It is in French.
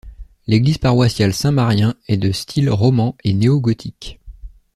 L'église paroissiale Saint-Mariens est de style roman et néo-gothique.